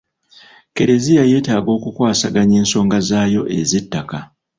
Kleziya yeetaaga okukwasaganya ensonga zaayo ez'ettaka.